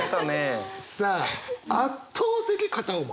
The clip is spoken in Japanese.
さあ圧倒的片思い。